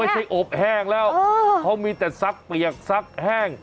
ไม่ใช่อบแห้งแล้วเขามีแต่สักเปียกสักแห้ง